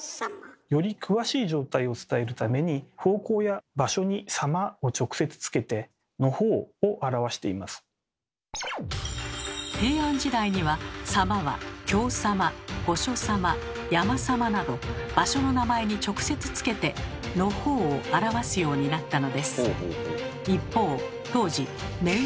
より詳しい状態を伝えるために平安時代には「様」は京様御所様山様など場所の名前に直接つけて「のほう」を表すようになったのです。